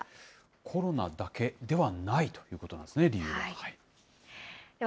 コロナだけではないということなんですね、理由は。